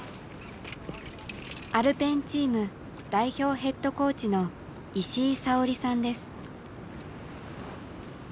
アルペンチーム代表ヘッドコーチの石井沙織さんです。